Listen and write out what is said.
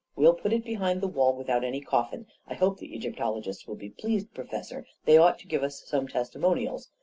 We'll put it behind the wall with out any coffin — I hope the Egyptologists will be pleased, Professor — they ought to give us some tes timonials